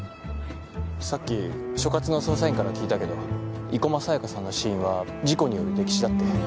さっき所轄の捜査員から聞いたけど生駒沙耶香さんの死因は事故による溺死だって。